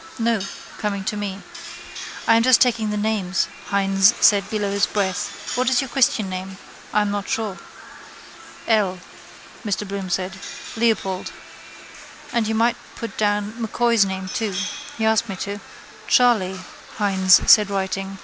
No: coming to me. —I am just taking the names, Hynes said below his breath. What is your christian name? I'm not sure. —L, Mr Bloom said. Leopold. And you might put down M'Coy's name too. He asked me to. —Charley, Hynes said writing.